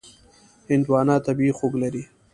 هندوانه طبیعي خوږ لري.